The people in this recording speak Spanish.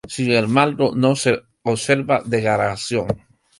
Sin embargo, no se observa degradación.